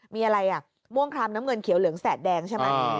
มีอะไรอ่ะม่วงคลามน้ำเงินเขียวเหลืองแสดแดงใช่ไหม